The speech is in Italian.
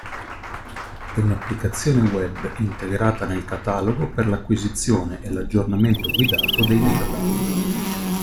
E un'applicazione Web integrata nel catalogo per l'acquisizione e l'aggiornamento guidato dei metadati.